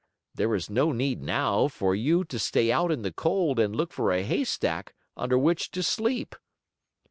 There is no need, now, for you to stay out in the cold and look for a haystack under which to sleep."